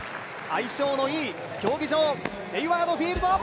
相性のいい競技場、ヘイワード・フィールド。